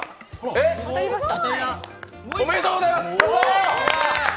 おめでとうございます！